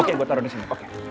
oke gue taruh disini